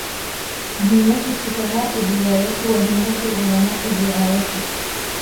هِمَّةُ السُّفَهَاءِ الرِّوَايَةُ وَهِمَّةُ الْعُلَمَاءِ الرِّعَايَةُ